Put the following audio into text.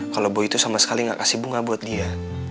kalo boy sama sekali gak kasih bunga buat dia